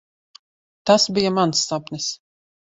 Tas bija mans sapnis.